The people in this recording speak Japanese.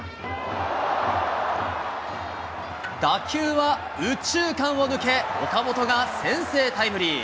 打球は右中間を抜け、岡本が先制タイムリー。